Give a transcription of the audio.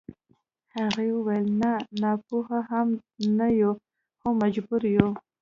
هغې وويل نه ناپوهه هم نه يو خو مجبور يو.